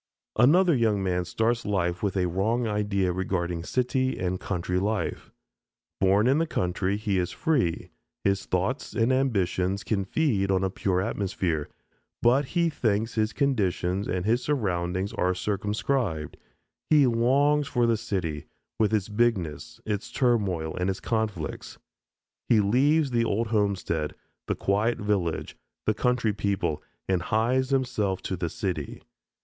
Another young man starts life with a wrong idea regarding city and country life. Born in the country he is free, his thoughts and ambitions can feed on a pure atmosphere, but he thinks his conditions and his surroundings are circumscribed; he longs for the city, with its bigness, its turmoil, and its conflicts. He leaves the old homestead, the quiet village, the country people, and hies himself to the city.